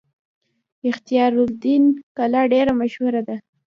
اختیار الدین کلا ډیره مشهوره ده